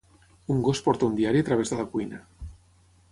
Un gos porta un diari a través de la cuina.